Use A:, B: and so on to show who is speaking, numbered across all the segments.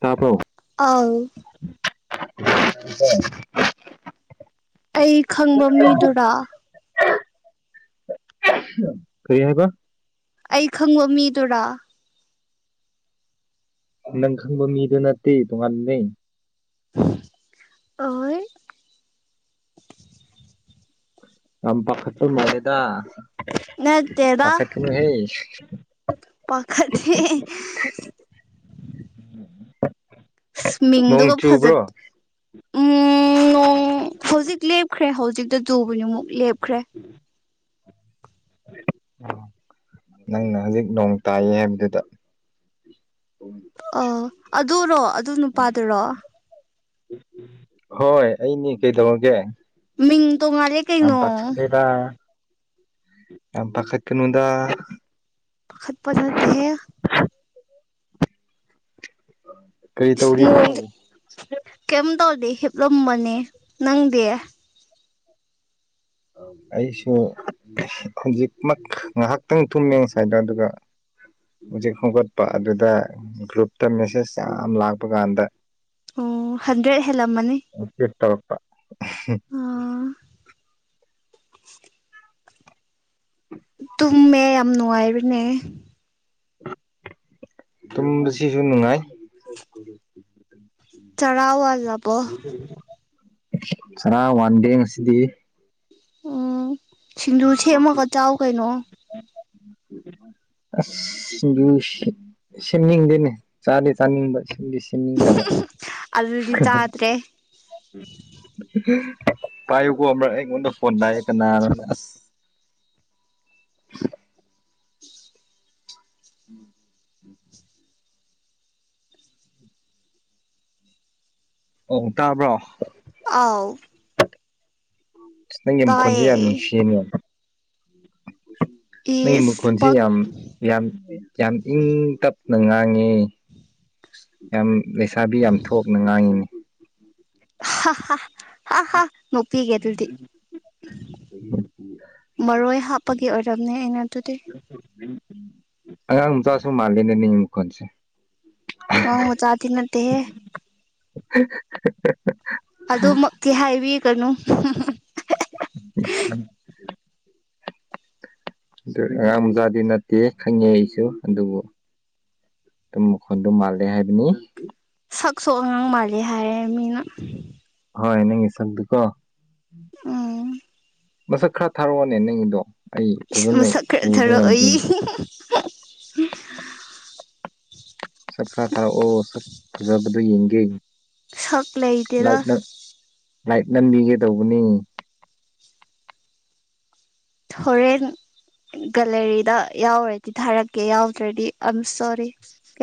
A: ꯇꯥꯕꯔꯣ
B: ꯑꯥꯎ
A: [inaudible]
B: ꯑꯩ ꯈꯪꯕ ꯃꯤꯗꯨꯔ
A: [unintelligible] ꯀꯔꯤ ꯍꯥꯏꯕ
B: ꯑꯩ ꯈꯪꯕ ꯃꯤꯗꯨꯔ
A: ꯅꯪ ꯈꯪꯕ ꯃꯤꯗꯨ ꯅꯠꯇꯦ ꯇꯣꯉꯥꯟꯕꯅꯦ
B: ꯑꯍꯣꯏ
A: ꯌꯥꯝ ꯄꯥꯈꯠꯄ ꯃꯥꯜꯂꯦꯗ
B: ꯅꯠꯇꯦꯗ
A: ꯄꯥꯈꯠꯀꯅꯨꯍꯦ
B: ꯄꯥꯈꯠꯇꯦ
A: [unintelligible] ꯅꯣꯡ
B: ꯃꯤꯡꯗꯨꯒ ꯐꯖꯠ
A: ꯆꯨꯕ꯭ꯔꯣ
B: ꯎꯝ ꯅꯣꯡ ꯍꯧꯖꯤꯛ ꯂꯦꯞꯈ꯭ꯔꯦ ꯍꯧꯖꯤꯛꯇ ꯆꯨꯕꯖꯤꯃꯨꯛ ꯂꯦꯞꯈ꯭ꯔꯦ
A: ꯑ ꯅꯪꯅ ꯍꯧꯖꯤꯛ ꯅꯣꯡ ꯇꯥꯏꯌꯦ ꯍꯥꯏꯕꯗꯨꯗ
B: ꯥꯑꯥ ꯑꯗꯨꯔꯣ ꯑꯗꯨ ꯅꯨꯄꯥꯗꯨꯔꯣ
A: ꯍꯣꯏ ꯑꯩꯅꯤ ꯀꯩꯗꯧꯔꯒꯦ
B: ꯃꯤꯡ ꯇꯣꯡꯉꯥꯜꯂꯦ
A: ꯌꯥꯝ
B: ꯀꯩꯅꯣ
A: ꯄꯥꯈꯠꯂꯦꯗ꯫ ꯌꯥꯝ ꯄꯥꯈꯠꯀꯅꯨꯗ꯫
B: ꯄꯥꯈꯠꯄ ꯅꯠꯇꯦꯍꯦ
A: [unintelligible]
B: ꯏꯁ ꯅꯣꯡꯖꯦ
A: ꯇꯧꯔꯤꯅꯣ
B: ꯀꯩꯝ ꯇꯧꯗꯦ ꯍꯤꯞꯂꯝꯕꯅꯦ ꯅꯪꯗꯤ꯫
A: ꯑꯩꯁꯨ ꯍꯧꯖꯤꯛꯃꯛ ꯉꯥꯏꯍꯥꯛꯇꯪ ꯊꯨꯝꯃꯦ ꯉꯁꯥꯢꯗꯣ ꯑꯗꯨꯒ ꯍꯨꯖꯤꯛ ꯍꯧꯒꯠꯄ ꯑꯗꯨꯗ ꯒ꯭ꯔꯨꯞꯇ ꯃꯦꯁꯦꯁ ꯌꯥꯝ ꯂꯥꯛꯄ ꯀꯥꯟꯗ
B: ꯑꯣ ꯍꯟꯗ꯭ꯔꯦꯗ ꯍꯦꯜꯂꯝꯃꯅꯤ
A: [unintelligible]
B: ꯑꯥ
A: [unintelligible]
B: ꯃꯦꯌꯥꯝ ꯅꯨꯡꯉꯥꯏꯔꯤꯅꯦ꯫
A: ꯇꯨꯝꯕꯁꯤꯁꯨ ꯅꯨꯡꯉꯥꯏ꯫
B: ꯆꯔꯥ ꯋꯥꯜꯂꯕꯣ
A: [unintelligible] ꯆꯔꯥ ꯋꯥꯟꯗꯦ ꯉꯁꯤꯗꯤ꯫
B: ꯑꯣ ꯁꯤꯡꯖꯨ ꯁꯦꯝꯃꯒ ꯆꯥꯎ ꯀꯩꯅꯣ꯫
A: ꯑꯁ ꯁꯤꯡꯖꯨ ꯁꯤ ꯁꯦꯝꯅꯤꯡꯗꯦꯅꯦ ꯆꯥꯗꯤ ꯆꯥꯅꯤꯡꯕ ꯁꯤꯗꯤ ꯁꯤꯝꯅꯤꯡꯗꯕ꯫
B: ꯑꯗꯨꯗꯤ ꯆꯥꯇ꯭ꯔꯦ꯫
A: [inaudible] ꯄꯥꯏꯌꯨꯀꯣ ꯑꯝꯔꯛ ꯑꯩꯉꯣꯟꯗ ꯐꯣꯟ ꯂꯥꯛꯑꯦ ꯀꯅꯥꯔꯥ ꯑꯁ꯫ ꯎꯝ꯫ ꯑꯣ ꯇꯥꯕ꯭ꯔꯣ꯫
B: ꯑꯥꯎ꯫
A: ꯅꯪꯒꯤ ꯃꯈꯣꯟꯁꯦ ꯌꯥꯝ
B: ꯇꯥꯏꯌꯦ
A: ꯅꯨꯡꯁꯤꯌꯦꯅꯦ ꯫ ꯅꯪꯒꯤ
B: ꯏꯁ
A: ꯃꯈꯣꯟꯁꯦ
B: ꯄꯛ
A: ꯌꯥꯝ ꯌꯥꯝ ꯌꯥꯝ ꯏꯪ ꯇꯞꯅ ꯉꯥꯡꯉꯦ꯫ ꯌꯥꯝ ꯂꯩꯁꯥꯕꯤ ꯌꯥꯝ ꯊꯣꯛꯅ ꯉꯥꯡꯉꯤꯅꯦ꯫
B: ꯍꯥ ꯍꯥ ꯍꯥꯍꯥ ꯅꯣꯛꯄꯤꯒꯦ ꯑꯗꯨꯗꯤ꯫ ꯃꯔꯣꯏ ꯍꯥꯞꯄꯒꯤ ꯑꯣꯏꯔꯝꯅꯦ ꯑꯩꯅ ꯑꯗꯨꯗꯤ꯫
A: [unintelligible] ꯑꯉꯥꯡ ꯃꯆꯥꯁꯨ ꯃꯥꯂꯦꯅꯦ ꯅꯤꯡ ꯃꯈꯣꯟꯁꯦ꯫
B: ꯃꯥꯡ ꯃꯆꯥꯗꯤ ꯅꯠꯇꯦꯍꯦ꯫ ꯑꯗꯨꯃꯛꯇꯤ ꯍꯥꯏꯕꯤꯒꯅꯨ [unintelligible]
A: [unintelligible] ꯗꯨ ꯑꯉꯥꯡ ꯃꯆꯥꯥꯗꯤ ꯅꯠꯇꯦ ꯈꯪꯉꯦ ꯑꯩꯁꯨ ꯑꯗꯨꯕꯨ ꯇꯨꯝ ꯃꯈꯣꯟꯗꯣ ꯃꯥꯜꯂꯦ ꯍꯥꯏꯕꯅꯤ꯫
B: ꯁꯛꯁꯨ ꯑꯉꯥꯡ ꯃꯥꯜꯂꯤ ꯍꯥꯏꯔꯦ ꯃꯤꯅ꯫
A: ꯍꯣꯏ ꯅꯪꯒꯤ ꯁꯛꯗꯨꯀꯣ꯫
B: ꯎꯝ꯫
A: ꯃꯁꯛ ꯈꯔ ꯊꯥꯔꯛꯑꯣꯅꯦ ꯅꯪꯒꯤꯗꯣ ꯑꯩ
B: ꯏꯁ
A: ꯐꯖꯅ
B: ꯃꯁꯛ ꯈꯔ
A: ꯎꯕ
B: ꯊꯥꯔꯛꯑꯣꯌꯦ
A: ꯉꯝꯗꯦꯅꯦ ꯁꯛ ꯈ꯭ꯔ ꯊꯥꯔꯛꯑꯣ ꯁꯛ ꯐꯖꯕꯗꯣ ꯌꯦꯡꯒꯦ꯫
B: ꯁꯛ ꯂꯩꯇꯦꯗ꯫
A: ꯂꯥꯏꯛ ꯅꯝꯕꯤꯒꯦ ꯇꯧꯕꯅꯦ꯫
B: ꯍꯣꯔꯦꯟ ꯒꯂꯦꯔꯤꯗ ꯌꯥꯎꯔꯗꯤ ꯊꯥꯔꯛꯀꯦ ꯌꯥꯎꯗ꯭ꯔꯗꯤ ꯑ ꯑꯦꯝ ꯁꯣꯔꯤ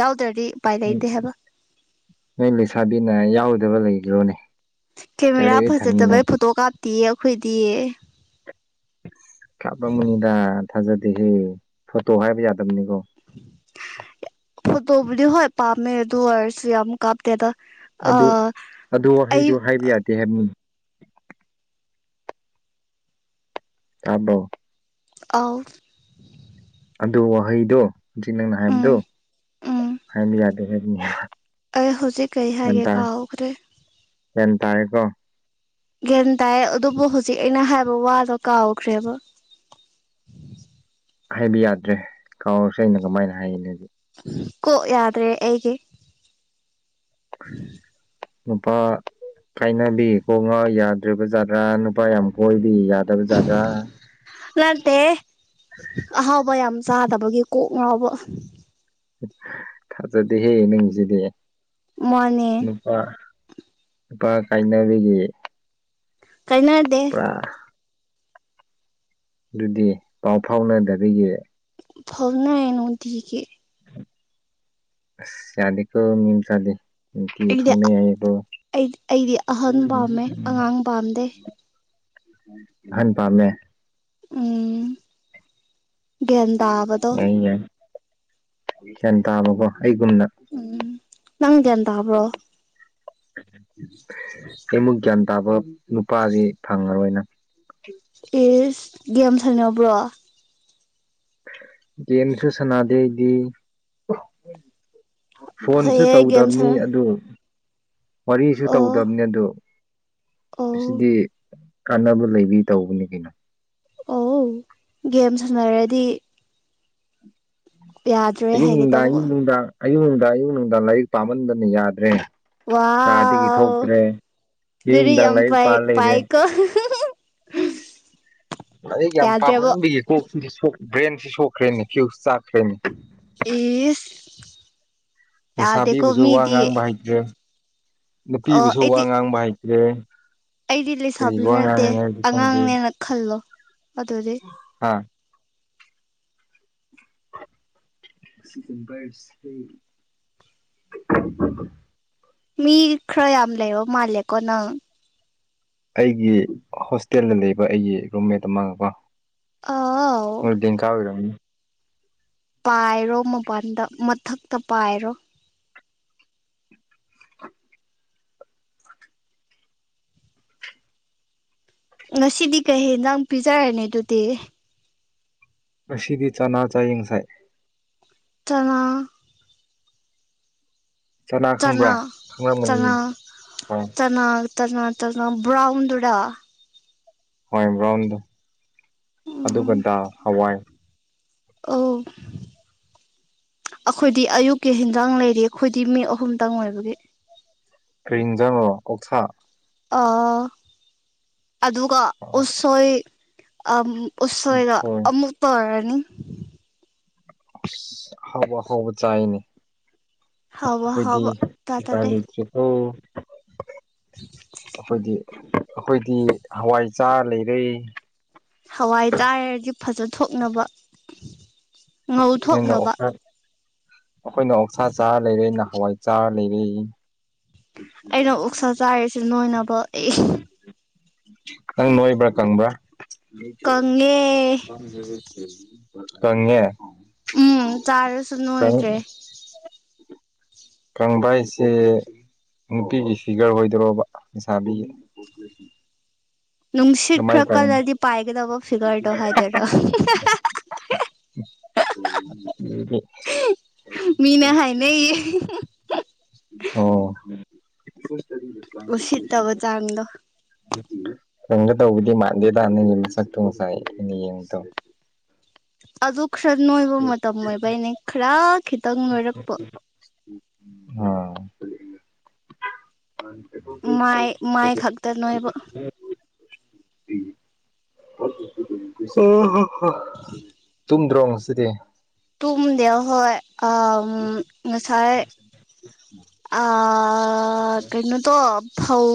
B: ꯌꯥꯎꯗ꯭ꯔꯗꯤ ꯎꯄꯥꯏ
A: ꯎꯝ
B: ꯂꯩꯇꯦ ꯍꯥꯏꯕ
A: ꯅꯣꯏ ꯂꯩꯁꯥꯕꯤꯅ ꯌꯥꯎꯗꯕ ꯂꯩꯒ꯭ꯔꯣꯅꯦ꯫
B: ꯀꯦꯃꯦꯔꯥ ꯐꯖꯗꯕꯩ ꯐꯣꯇꯣ ꯀꯥꯞꯇꯤꯌꯦ ꯑꯩꯈꯣꯏꯗꯤ꯫
A: ꯀꯥꯞꯂꯝꯒꯅꯤꯗ ꯊꯥꯖꯗꯦꯍꯦ ꯐꯣꯇꯣ ꯍꯥꯏꯕ ꯌꯥꯗꯕꯅꯤꯀꯣ꯫
B: ꯐꯣꯠꯇꯣꯕꯨꯗꯤ ꯍꯣꯏ ꯄꯥꯝꯃꯦ ꯑꯗꯨ ꯑꯣꯢꯔꯁꯨ ꯌꯥꯝ ꯀꯥꯞꯇꯦꯗ꯫ ꯑ
A: ꯑꯗꯨ ꯑꯗꯨ
B: ꯑꯩ
A: ꯋꯥꯍꯩꯗꯨ ꯍꯥꯏꯕ ꯌꯥꯗꯦ ꯍꯥꯏꯕꯅꯤ꯫ ꯇꯥꯕꯔꯣ
B: ꯑꯧ
A: ꯑꯗꯨ ꯋꯥꯍꯩꯗꯣ ꯖꯤꯛ ꯅꯪꯅ
B: ꯎꯝ
A: ꯍꯥꯏꯕꯗꯣ
B: ꯎꯝ
A: ꯍꯥꯏꯕ ꯌꯥꯗꯦ ꯍꯥꯏꯕꯅꯦ
B: ꯑꯩ ꯍꯧꯖꯤꯛ ꯀꯩ ꯍꯥꯏꯒꯦ ꯀꯥꯎꯒꯈ꯭ꯔꯦ
A: ꯒ꯭ꯌꯥꯟ ꯇꯥꯔꯦꯀꯣ
B: ꯒ꯭ꯌꯥꯟ ꯇꯥꯏꯌꯦ ꯑꯗꯨꯕꯨ ꯍꯧꯖꯤꯛ ꯑꯩꯅ ꯍꯥꯏꯕ ꯋꯥꯗꯣ ꯀꯥꯎꯈ꯭ꯔꯦꯕ
A: ꯍꯥꯏꯕ ꯌꯥꯗ꯭ꯔꯦ ꯀꯥꯎꯔꯁꯨ ꯑꯩꯅ ꯀꯃꯥꯏꯅ ꯍꯥꯏꯒꯅꯤ ꯍꯖꯤꯛ
B: ꯀꯣꯛ ꯌꯥꯗ꯭ꯔꯦ ꯑꯩꯒꯤ [inaudible]
A: ꯅꯨꯄꯥ ꯀꯥꯏꯅꯕꯤ ꯀꯣꯛ ꯉꯥꯎ ꯌꯥꯗ꯭ꯔꯕꯥ ꯖꯥꯠꯔꯥ ꯅꯨꯄꯥ ꯌꯥꯝ ꯀꯣꯏꯕꯒꯤ ꯌꯥꯗꯕ ꯖꯥꯠꯂ
B: ꯅꯠꯇꯦ ꯑꯍꯥꯎꯕ ꯌꯥꯝ ꯆꯥꯗꯕꯒꯤ ꯀꯣꯛ ꯉꯥꯎꯕ
A: ꯊꯥꯖꯗꯦꯍꯦ ꯅꯪꯖꯤꯗꯤ
B: ꯃꯟꯅꯦ
A: ꯄꯥ ꯅꯨꯄꯥ ꯀꯥꯏꯅꯕꯒꯤ
B: ꯀꯥꯢꯅꯗꯦ
A: ꯑꯥ ꯑꯗꯨꯗꯤ ꯄꯥꯎ ꯐꯥꯎꯅꯗꯕꯒꯤ
B: ꯐꯥꯎꯅꯩ ꯅꯨꯡꯇꯤꯒꯤ
A: ꯑꯁ ꯌꯥꯗꯦꯀꯣ ꯃꯤꯝ ꯃꯆꯥꯗꯤ ꯅꯨꯡꯇꯤꯒꯤ
B: ꯑꯩꯗꯤ
A: ꯐꯥꯎꯅꯩ ꯍꯥꯏꯌꯦꯕꯣ
B: ꯑꯩ ꯑꯩꯗꯤ ꯑꯍꯟ ꯄꯥꯝꯃꯦ ꯑꯉꯥꯡ ꯄꯥꯝꯗꯦ
A: ꯑꯍꯟ ꯄꯥꯝꯃꯦ
B: ꯎꯝ ꯒ꯭ꯌꯥꯟ ꯇꯥꯕꯗꯣ
A: ꯌꯥꯏ ꯌꯥꯏ ꯒ꯭ꯌꯥꯟ ꯇꯥꯕꯀꯣ ꯑꯩꯒꯨꯝꯅ
B: ꯎꯝ ꯅꯪ ꯒ꯭ꯌꯥꯟ ꯇꯥꯕ꯭ꯔꯣ
A: ꯑꯩꯃꯨꯛ ꯒ꯭ꯌꯥꯟ ꯇꯥꯕ ꯅꯨꯄꯥꯗꯤ ꯐꯪꯉꯔꯣꯏꯅ
B: ꯏꯁ ꯒꯦꯝ ꯁꯥꯟꯅꯕ꯭ꯔꯣ
A: ꯒꯦꯝꯁꯨ ꯁꯥꯟꯅꯗꯦ ꯑꯩꯗꯤ ꯐꯣꯟꯁꯨ
B: ꯐꯩꯌꯦ ꯒꯦꯝ
A: ꯇꯧꯗꯕꯅꯤ
B: ꯁꯥꯟ
A: ꯑꯗꯨꯒ ꯋꯥꯔꯤꯁꯨ
B: ꯑꯣ
A: ꯇꯧꯗꯕꯅꯦ ꯑꯗꯨ
B: ꯑꯣ
A: ꯑꯁꯤꯗꯤ ꯀꯥꯟꯅꯕ ꯂꯩꯕꯤ ꯇꯧꯕꯅꯤ ꯀꯩꯅꯣ
B: ꯑꯣ ꯋꯣ ꯒꯦꯝ ꯁꯥꯟꯅꯔꯗꯤ ꯌꯥꯗ꯭ꯔꯦ
A: ꯑꯌꯨꯛ
B: ꯍꯥꯏꯒꯦ
A: ꯅꯨꯡꯗꯥꯡ
B: ꯇꯧꯕ
A: ꯑꯌꯨꯛ ꯅꯨꯡꯗꯥꯡ ꯑꯌꯨꯛ ꯅꯨꯡꯗꯥ ꯑꯌꯨꯛ ꯅꯨꯡꯗꯥꯡ ꯂꯥꯏꯔꯤꯛ ꯄꯥꯝꯃꯟꯗꯅ ꯌꯥꯗ꯭ꯔꯦ ꯀꯥꯗꯒꯤ
B: ꯋꯥꯎ
A: ꯊꯣꯛꯇ꯭ꯔꯦ ꯑꯌꯨꯛ
B: ꯑꯗꯨꯗꯤ
A: ꯅꯨꯡꯗꯥꯡ
B: ꯌꯥꯝ
A: ꯂꯥꯏꯔꯤꯛ
B: ꯄꯥꯏ
A: ꯄꯥ ꯂꯩꯔꯦ
B: ꯄꯥꯏꯀꯣ
A: ꯂꯔꯤꯛ ꯌꯥꯝ
B: ꯌꯥꯗ꯭ꯔꯦꯕꯣ
A: ꯄꯥꯝꯃꯟꯕꯒꯤ ꯀꯣꯛ ꯕ꯭ꯔꯦꯟꯁꯤ ꯁꯣꯛꯈ꯭ꯔꯦꯅꯦ ꯐꯤꯌꯨꯁ ꯆꯥꯛꯈ꯭ꯔꯦꯅꯦ
B: ꯏꯁ ꯌꯥꯗꯦꯀꯣ
A: ꯂꯩꯩꯁꯥꯕꯤꯕꯨꯁꯨ ꯋꯥ
B: ꯃꯤꯗꯤ
A: ꯉꯥꯡꯕ ꯍꯩ
B: ꯑꯣ
A: ꯅꯨꯄꯤꯕꯨꯁꯨ ꯋꯥ
B: ꯑꯩꯗꯤ
A: ꯉꯥꯡꯕ ꯍꯩꯇ꯭ꯔꯦ
B: ꯑꯩꯗꯤ
A: ꯀꯔꯤ
B: ꯂꯩꯁꯥꯕꯤ
A: ꯋꯥ
B: ꯅꯠꯇꯦ
A: ꯉꯥꯡꯉꯅꯤ ꯍꯥꯏꯕꯗꯤ ꯈꯪꯗꯦ
B: ꯑꯉꯥꯡꯅꯦꯅ ꯈꯜꯂꯣ ꯑꯗꯨꯗꯤ
A: ꯍꯥ [unintelligible]
B: ꯃꯤ ꯈꯔ ꯌꯥꯝ ꯂꯩꯕꯣ ꯃꯥꯂꯦꯀꯣ ꯅꯪ
A: ꯑꯩꯒꯤ ꯍꯣꯁꯇꯦꯜꯗ ꯂꯩꯕ ꯑꯩꯒꯤ ꯔꯨꯝꯃꯦꯠ ꯑꯃꯒ ꯀꯣ
B: ꯑꯥꯎ
A: ꯇꯤꯟꯈꯥꯛ ꯑꯣꯏꯔꯝꯅꯤ
B: ꯄꯥꯏꯔꯣ ꯃꯄꯥꯟꯗ ꯃꯊꯛꯇ ꯄꯥꯏꯔꯣ ꯉꯁꯤꯗꯤ ꯀꯩ ꯍꯦꯟꯖꯥꯡ ꯄꯤꯖꯔꯅꯤ ꯑꯗꯨꯗꯤ
A: ꯉꯁꯤꯗꯤ ꯆꯥꯅꯥ ꯆꯥꯢꯌꯦ ꯉꯁꯥꯢ
B: ꯆꯥꯅꯥ
A: ꯆꯅꯥ ꯈꯪꯕ꯭ꯔꯥ
B: ꯆꯥꯅꯥ ꯆꯥꯅꯥ
A: ꯈꯪꯂꯝꯒꯅꯤ ꯍꯣꯏ
B: ꯆꯥꯅꯥ ꯆꯥꯅꯥ ꯆꯥꯅꯥ ꯕ꯭ꯔꯥꯎꯟꯗꯨꯔ
A: ꯍꯣꯏ ꯕ꯭ꯔꯥꯎꯟꯗꯣ ꯑꯗꯨꯒ
B: ꯎꯝ
A: ꯗꯥ ꯍꯋꯥꯏ
B: ꯑꫭ ꯑꯥꯈꯣꯏꯗꯤ ꯑꯌꯨꯛꯀꯤ ꯍꯦꯟꯖꯥꯡ ꯂꯩꯔꯤ ꯑꯩꯈꯣꯏꯗꯤ ꯃꯤ ꯑꯍꯨꯝꯇꯪ ꯑꯣꯏꯕꯒꯤ
A: ꯀꯔꯤ ꯏꯖꯥꯡꯔꯣ ꯑꯣꯛꯁꯥ
B: ꯑꯥ ꯑꯗꯨꯒ ꯎꯁꯣꯏ ꯑꯝ ꯎꯁꯣꯏꯒ
A: ꯎꯁꯣꯏ
B: ꯑꯃꯨꯛ ꯇꯧꯔꯅꯤ
A: ꯑꯁ ꯑꯍꯥꯎꯕ ꯑꯍꯥꯎꯕ ꯆꯥꯏꯅꯦ
B: ꯍꯥꯎꯕ
A: ꯑꯈꯣꯏꯗꯤ
B: ꯍꯥꯎꯕ
A: ꯎꯄꯥꯏ
B: ꯇꯥꯇꯔꯦ
A: ꯂꯩꯇ꯭ꯔꯦꯗꯣ ꯑꯈꯣꯏꯗꯤ ꯑꯈꯣꯏꯗꯤ ꯍꯋꯥꯏ ꯆꯥꯔ ꯂꯩꯔꯦ
B: ꯍꯋꯥꯏ ꯆꯥꯔꯗꯤ ꯐꯖꯥꯊꯣꯛꯅꯕ
A: ꯅꯣꯏꯅ ꯑꯣꯛꯁꯥ ꯑꯈꯣꯏꯅ ꯑꯣꯛꯁꯥ ꯆꯥꯔ ꯂꯩꯔꯦ ꯅꯥ ꯍꯋꯥꯏ ꯆꯥꯔ ꯂꯩꯔꯦ
B: ꯑꯦꯅ ꯑꯣꯛꯁꯥ ꯆꯥꯏꯔꯤꯁꯦ ꯅꯣꯏꯅꯕ ꯑꯦ
A: ꯈꯪ ꯅꯣꯏꯕ꯭ꯔꯥ ꯀꯪꯕ꯭ꯔꯥ
B: ꯀꯪꯉꯦ
A: ꯀꯪꯉꯦ
B: ꯎꯝ ꯆꯥꯔꯁꯨ ꯅꯣꯏꯗ꯭ꯔꯦ
A: ꯀꯪꯕ ꯍꯥꯏꯁꯦ ꯅꯨꯄꯤꯒꯤ ꯐꯤꯒꯔ ꯑꯣꯏꯗꯣꯔꯣꯕ ꯂꯩꯁꯥꯕꯤꯒꯤ
B: ꯅꯨꯡꯁꯤꯠ
A: ꯑꯗꯨꯃꯥꯏꯅ
B: ꯈꯔ
A: ꯀꯪꯕꯒꯤ
B: ꯀꯜꯂꯗꯤ ꯄꯥꯏꯒꯗꯧꯕ ꯐꯤꯒꯔꯗꯣ ꯍꯥꯏꯗꯣꯏꯔꯣ [unintelligible]
A: [inaudible]
B: ꯃꯤꯅ ꯍꯥꯏꯅꯩꯌꯦ
A: ꯑꯣ [inaudible]
B: ꯎꯁꯤꯠꯇꯕ ꯆꯥꯡꯗꯣ
A: ꯈꯣꯟꯗ ꯇꯧꯕꯗꯤ ꯃꯥꯟꯗꯦꯗ ꯅꯪꯒꯤ ꯅꯁꯛꯇꯣ ꯉꯁꯥꯏ ꯑꯩꯅ ꯌꯦꯡꯕꯗꯣ
B: ꯑꯗꯨ ꯈꯔ ꯅꯣꯏꯕ ꯃꯇꯝ ꯑꯣꯏꯕꯩꯅꯦ ꯈꯔꯥ ꯈꯤꯇꯪ ꯅꯣꯏꯔꯛꯄ
A: [inaudible]
B: ꯃꯥꯏ ꯃꯥꯏ ꯈꯛꯇ ꯅꯣꯏꯕ
A: [inaudible] ꯑꯍꯥ ꯍꯥ ꯇꯨꯝꯗ꯭ꯔꯣ ꯉꯁꯤꯗꯤ
B: ꯇꯨꯝꯗꯦ ꯑꯍꯣꯏ ꯑꯥ ꯉꯁꯥꯏ
A: [inaudible]
B: ꯑꯥ ꯀꯩꯅꯣꯇꯣ ꯐꯧ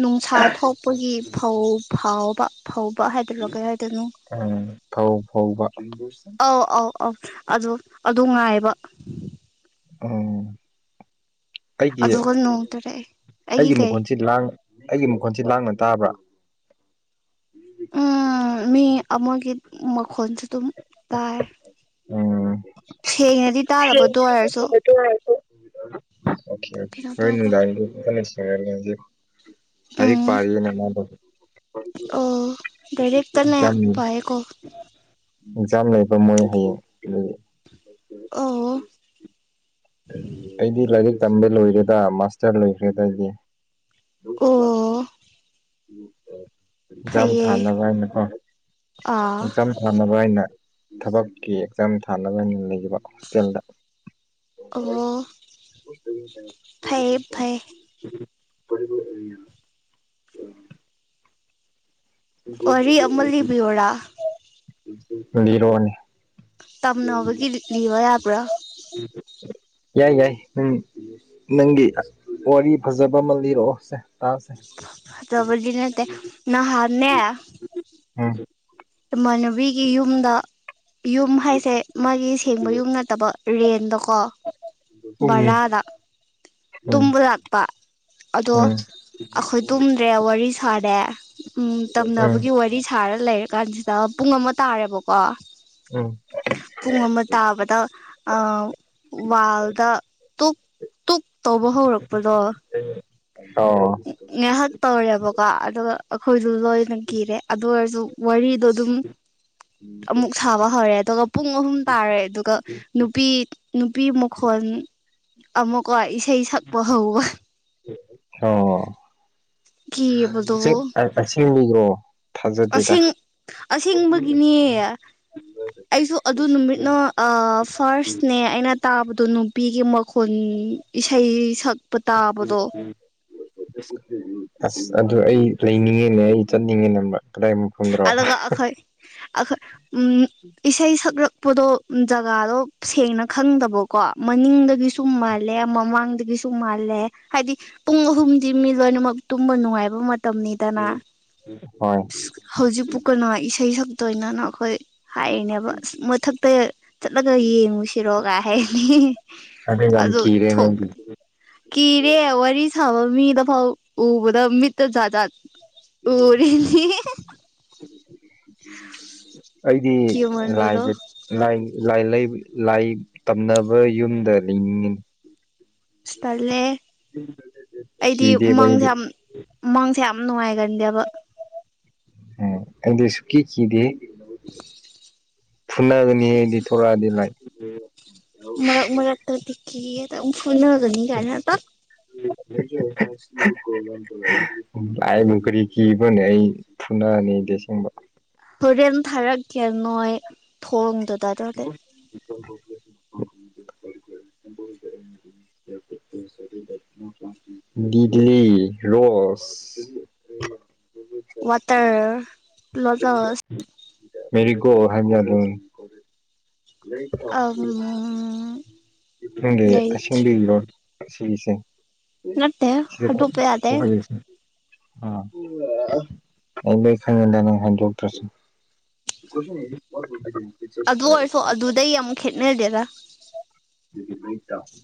B: ꯅꯨꯡꯁꯥ ꯊꯣꯛꯄꯒꯤ ꯐꯧ ꯐꯥꯎꯕ ꯐꯧꯕ ꯍꯥꯏꯗꯣꯏꯔꯣ ꯀꯩ ꯍꯥꯏꯗꯣꯏꯅꯣ
A: ꯎꯝ ꯐꯧ ꯐꯧꯕ
B: ꯑꯧ ꯑꯧ ꯑꯣ ꯑꯗꯣ ꯑꯗꯨ ꯉꯥꯏꯕ
A: ꯑꯥꯎ
B: ꯑꯗꯨꯒ ꯅꯣꯡ ꯇꯥꯔꯛꯑꯦ ꯑꯩꯒꯤ ꯀꯩ
A: ꯁꯤ ꯂꯥꯡ ꯑꯩꯒꯤ ꯃꯈꯣꯟꯁꯦ ꯂꯥꯡꯅ ꯇꯥꯕ꯭ꯔꯥ
B: ꯎꯝ ꯃꯤ ꯑꯃꯥꯒꯤ ꯃꯈꯣꯟꯁꯨ ꯑꯗꯨꯝ ꯇꯥꯏ
A: ꯎꯝ
B: ꯁꯦꯡꯅꯗꯤ ꯇꯥꯗꯕ ꯑꯗꯨ ꯑꯣꯏꯔꯁꯨ
A: [inaudible] ꯑꯣꯀꯦ ꯑꯣꯀꯦ
B: ꯀꯩꯅꯣ
A: ꯍꯣꯔꯦꯟ
B: ꯇꯧꯕ
A: ꯅꯨꯡꯗꯥꯡꯗꯤ ꯀꯟꯅꯥ [unintelligible] ꯂꯥꯏꯔꯤꯛ
B: ꯎꯝ
A: ꯄꯥꯔꯤꯅ ꯃꯥꯗꯣ
B: ꯑꯣ ꯂꯥꯏꯔꯤꯛ ꯀꯟꯅꯦ
A: ꯑꯦꯛꯖꯥꯝ
B: ꯄꯥꯏꯌꯦꯀꯣ
A: ꯑꯦꯛꯖꯥꯝ ꯂꯩꯕ ꯃꯣꯏ ꯍꯌꯦꯡ ꯑꯗꯨꯒꯤ
B: ꯑꯣꯑꯣ
A: ꯑꯩꯗꯤ ꯂꯥꯏꯔꯤꯛ ꯇꯝꯕ ꯂꯣꯏꯔꯦꯗ ꯃꯥꯁꯇꯔ ꯂꯣꯏꯈ꯭ꯔꯦꯗ ꯑꯩꯗꯤ
B: ꯑꯣ
A: ꯑꯦꯛꯖꯥꯝ
B: ꯐꯩꯌꯦ
A: ꯊꯥꯅꯕ ꯍꯥꯏꯅꯀꯣ
B: ꯑꯥ
A: ꯑꯦꯛꯖꯝ ꯊꯥꯅꯕ ꯍꯥꯏꯅ ꯊꯕꯛꯀꯤ ꯑꯦꯛꯖꯥꯝ ꯊꯥꯅꯕ ꯍꯩꯅ ꯂꯩꯕ ꯍꯣꯁꯇꯦꯜꯗ
B: ꯑꯣ ꯐꯩꯌꯦ ꯐꯩ ꯋꯥꯔꯤ ꯑꯃꯥ ꯂꯤꯕꯤꯌꯣꯔ
A: ꯂꯤꯔꯣꯅꯦ
B: ꯇꯝꯅꯕꯒꯤ ꯂꯤꯛꯂꯤꯕ ꯌꯥꯕ꯭ꯔꯥ
A: ꯌꯥꯏ ꯌꯥꯏ ꯎꯪ ꯅꯪꯒꯤ ꯋꯥꯔꯤ ꯐꯖꯕ ꯑꯃ ꯂꯤꯔꯛꯑꯣ ꯁꯦ ꯇꯥꯥꯁꯦ
B: ꯐꯖꯕꯗꯤ ꯅꯠꯇꯦ ꯅꯍꯥꯟꯅꯦ
A: ꯎꯪ
B: ꯏꯃꯥꯟꯅꯕꯤꯒꯤ ꯌꯨꯝꯗ ꯌꯨꯝ ꯍꯥꯏꯁꯦ ꯃꯥꯒꯤ ꯁꯦꯡꯕ ꯌꯨꯝ ꯅꯠꯇꯕ ꯔꯦꯟꯗꯀꯣ
A: ꯎꯝ
B: ꯚꯔꯥꯗ
A: ꯎꯝ
B: ꯇꯨꯝꯕꯂꯥꯛꯄ ꯑꯗꯣ
A: ꯎꯝ
B: ꯑꯩꯈꯣꯏ ꯇꯨꯝꯗ꯭ꯔꯦ ꯋꯥꯔꯤ ꯁꯥꯔꯦ ꯎꯝ
A: ꯎꯝ
B: ꯇꯝꯅꯕꯒꯤ ꯋꯥꯔꯤ ꯁꯥꯔ ꯂꯩꯔꯦ ꯀꯥꯟꯖꯤꯗ ꯄꯨꯡ ꯑꯃ ꯇꯥꯔꯦꯕꯀꯣ
A: ꯎꯪ
B: ꯄꯨꯡ ꯑꯃ ꯇꯥꯕꯗ ꯑꯥ ꯋꯥꯜꯗ ꯇꯨꯛ ꯇꯨꯛꯇꯧꯕ ꯍꯧꯔꯛꯄꯗꯣ
A: ꯑꯥꯑꯣ
B: ꯉꯥꯏꯍꯥꯛ ꯇꯧꯔꯦꯕꯀꯣ ꯑꯗꯨꯒ ꯑꯩꯈꯣꯏꯗꯨ ꯂꯣꯏꯅ ꯀꯤꯔꯦ ꯑꯗꯨ ꯑꯣꯏꯔꯖꯨ ꯋꯥꯔꯤꯗꯣ ꯑꯗꯨꯝ ꯑꯃꯨꯛ ꯁꯥꯕ ꯍꯧꯔꯦ ꯑꯗꯨꯒ ꯄꯨꯡ ꯑꯍꯨꯝ ꯇꯥꯔꯦ ꯑꯗꯨꯒ ꯅꯨꯄꯤ ꯅꯨꯄꯤ ꯃꯈꯣꯟ ꯑꯃꯨꯛꯀꯣ ꯏꯁꯩ ꯁꯛꯄ ꯍꯧꯕ
A: ꯑꯣꯑꯣ
B: ꯀꯤꯕꯗꯨꯕꯨ
A: ꯆꯤꯡ ꯑꯁꯦꯡꯀꯤꯔꯣ ꯊꯥꯖꯗꯦꯗ
B: ꯑꯁꯦꯡ ꯑꯁꯦꯡꯕꯒꯤꯅꯦ ꯑꯩꯁꯨ ꯑꯗꯨ ꯅꯨꯃꯤꯠꯅ ꯑꯥꯑ ꯐꯥꯔꯁꯅꯦ ꯑꯩꯅ ꯇꯥꯕꯗꯣ ꯅꯨꯄꯤꯒꯤ ꯃꯈꯣꯜ ꯏꯁꯩ ꯁꯛ ꯄ ꯇꯥꯕꯗꯣ
A: ꯑꯥꯁ ꯑꯗꯨ ꯑꯩ ꯂꯩꯅꯤꯡꯉꯦꯅꯦ ꯑꯩ ꯆꯠꯅꯤꯡꯉꯦꯅꯦꯕ ꯑꯗꯨꯋꯥꯏ ꯃꯝꯐꯗꯣ
B: ꯑꯂꯒ ꯑꯈꯣꯏ ꯑꯈ ꯎꯪ ꯢꯁꯩ ꯁꯛꯂꯛꯄꯗꯣ ꯖꯒꯥꯗꯣ ꯁꯦꯡꯅ ꯈꯪꯗꯕꯀꯣ ꯃꯅꯤꯡꯗꯒꯤꯁꯨ ꯁꯨꯝꯃꯥꯜꯂꯦ ꯃꯃꯥꯡꯗꯒꯤꯁꯨ ꯃꯥꯜꯂꯦ ꯍꯥꯏꯗꯤ ꯄꯨꯡ ꯑꯍꯨꯝꯗꯤ ꯃꯤ ꯂꯣꯏꯅꯃꯛ ꯇꯨꯝꯕ ꯅꯨꯡꯉꯥꯏꯕ ꯃꯥ ꯇꯝꯃꯦꯗꯅ
A: ꯍꯣꯏ
B: ꯍꯧꯖꯤꯛꯄꯨ ꯀꯩꯅꯣ ꯏꯁꯩ ꯁꯛꯇꯣꯏꯅꯦꯅ ꯑꯩꯈꯣꯏ ꯍꯥꯏꯔꯤꯅꯦꯕ ꯑꯁ ꯃꯊꯛꯇ ꯆꯠꯂꯒ ꯌꯦꯡꯉꯨꯁꯤꯔꯣ ꯀꯥꯏ ꯍꯥꯏꯅꯤ ꯍꯤꯍꯤ
A: ꯌꯥꯝ
B: ꯑꯗꯨ
A: ꯀꯤꯔꯦ
B: ꯊꯣꯛ
A: ꯅꯣꯏꯗꯤ
B: ꯀꯤꯔꯦ ꯋꯥꯔꯤ ꯁꯥꯕ ꯃꯤꯗ ꯐꯥꯎ ꯎꯕꯗ ꯃꯤꯠꯇ ꯖꯥꯠꯖꯥꯠ ꯎꯔꯦ ꯏꯍꯤ ꯍꯦ
A: ꯑꯩꯗꯤ
B: ꯀꯤꯃꯟꯕꯗꯣ
A: ꯂꯥꯢꯟꯗꯅꯤ ꯂꯥꯏ ꯂꯥꯢ ꯂꯩꯕ ꯂꯥꯢ ꯇꯝꯅꯕ ꯌꯨꯝꯗ ꯂꯤꯡꯉꯤꯅꯤ
B: ꯇꯜꯂꯦꯍꯦ ꯑꯩꯗꯤ
A: ꯀꯤꯗꯦꯕ
B: ꯃꯪꯗ
A: ꯑꯩꯗꯤ
B: ꯌꯥꯝ ꯃꯪꯗ ꯌꯥꯝ ꯅꯨꯡꯉꯥꯏꯒꯟꯗꯦꯕ
A: ꯎꯪ ꯑꯗꯤ ꯁꯨꯡꯀꯤ ꯀꯤꯗꯦ ꯐꯨꯅꯥꯒꯅꯤꯍꯦ ꯑꯩꯗꯤ ꯊꯣꯔꯛꯑꯗꯤ ꯂꯥꯏ
B: ꯃꯔꯛ-ꯃꯔꯛꯛꯇ ꯇꯈꯤ ꯀꯤꯌꯦꯗꯐꯨꯅꯒꯅꯤ ꯀꯥꯏꯅ ꯇꯣ
A: INAUDIBLE ꯂꯥꯢꯅꯨꯡ ꯀꯔꯤ ꯀꯤꯕ꯭ꯔꯥꯅꯦ ꯑꯩ ꯐꯨꯅꯅꯤ ꯑꯩꯗꯤꯑꯁꯦꯡꯕ
B: ꯍꯣꯔꯦꯟ ꯊꯥꯔꯛꯀꯦ ꯅꯣꯏ ꯊꯣꯡꯗꯥ
A: INAUDIBLE UNINTELLIGIBLE [inaudible]
B: ꯋꯥꯇꯔ ꯂꫭꯂ꯫ꯁ
A: ꯃꯦꯔꯤꯒꯣ ꯍꯥꯏ ꯌꯥꯗ꯫
B: ꯑ
A: ꯅꯪꯒꯤ ꯑꯁꯦꯡꯕꯤꯔꯣ ꯑꯁꯤꯒꯤꯁꯦ꯫ [inaudible]
B: ꯅꯠꯇꯦ ꯍꯥꯏꯗꯣꯛꯄ ꯌꯥꯗꯦ
A: [unintelligible] ꯑꯩ ꯂꫭꯏ ꯈꯪꯏꯗ ꯅꯪ ꯍꯥꯏꯣꯛꯇ꯭ꯔꯁ [inaudible]
B: ꯑꯗꯨ ꯑꯣꯏꯔꯁꯨ ꯑꯗꯨꯗꯩ ꯑꯃꯨꯛ ꯈꯦꯠꯅꯗꯦꯗ꯫
A: [inaudible]